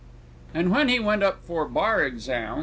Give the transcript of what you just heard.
And when he went up for Bar Exam.